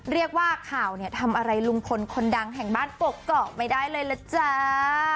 เรียกว่าข่าวเนี่ยทำอะไรลุงพลคนดังแห่งบ้านกกอกไม่ได้เลยล่ะจ้า